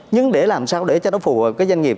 nhưng để làm sao để cho nó phù hợp với doanh nghiệp